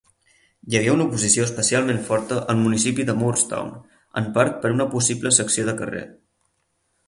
Hi hagué una oposició especialment forta al municipi de Moorestown, en part per una possible secció de carrer.